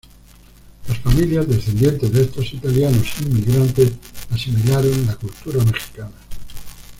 Las familias descendientes de estos italianos inmigrantes asimilaron la cultura Mexicana.